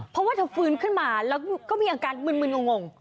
เพราะว่าเธอฟื้นขึ้นมาแล้วก็มีอาการมึนงง